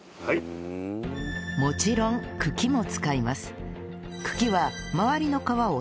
もちろん茎も使います